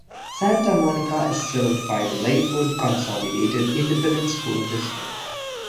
Santa Monica is served by the Lyford Consolidated Independent School District.